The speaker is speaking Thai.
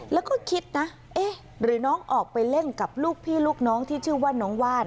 แล้วก็คิดนะเอ๊ะหรือน้องออกไปเล่นกับลูกพี่ลูกน้องที่ชื่อว่าน้องวาด